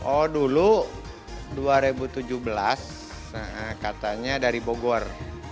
oh dulu dua ribu tujuh belas katanya dari bogor